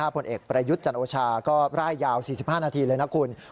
ผลเอกประยุทธ์จันโอชาก็ร่ายยาว๔๕นาทีเลยนะคุณ